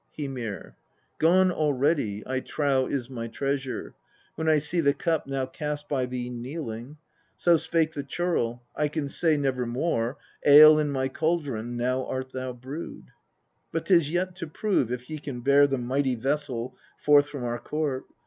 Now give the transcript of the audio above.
Hymir. 33. ' Gone already I trow is my treasure, when I see the cup now cast by thee kneeling.' So spake the churl " I can say never more, ' Ale in my cauldron now art thou brewed.' " 34. ' But 'tis yet to prove if ye can bear the mighty vessel forth from our court.'